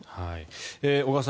小川さん